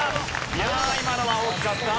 いやあ今のは大きかった。